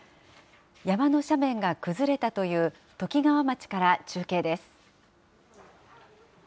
山の斜面が崩れたというときがわ町から中継です。